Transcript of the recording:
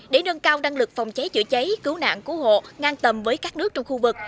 để nâng cao năng lực phòng cháy chữa cháy cứu nạn cứu hộ ngang tầm với các nước trong khu vực